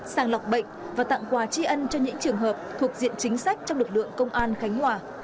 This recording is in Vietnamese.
sàng lọc bệnh và tặng quà tri ân cho những trường hợp thuộc diện chính sách trong lực lượng công an khánh hòa